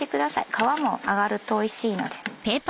皮も揚がるとおいしいので。